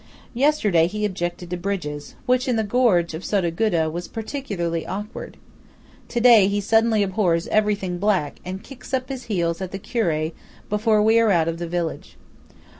Yesterday he objected to bridges, which in the gorge of Sottoguda was particularly awkward. To day he suddenly abhors everything black, and kicks up his heels at the curé before we are out of the village.